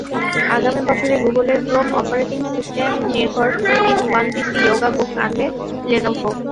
আগামী বছরে গুগলের ক্রোম অপারেটিং সিস্টেমনির্ভর টু-ইন-ওয়ান পিসি ইয়োগা বুক আনবে লেনোভো।